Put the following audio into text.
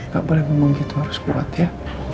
gak boleh begitu harus kuat ya